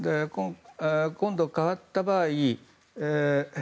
今度、代わった場合。